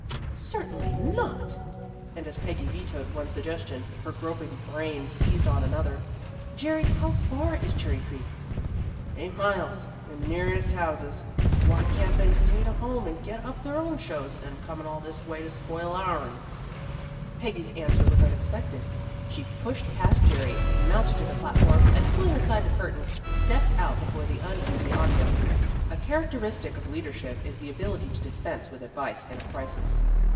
"Certainly not." And as Peggy vetoed one suggestion, her groping brain seized on another. "Jerry, how far is Cherry Creek?" "Eight miles, the nearest houses. Why can't they stay to home and get up their own shows, 'stead of coming all this way to spoil ourn?" Peggy's answer was unexpected. She pushed past Jerry, mounted to the platform, and pulling aside the curtain, stepped out before the uneasy audience. A characteristic of leadership is the ability to dispense with advice in a crisis.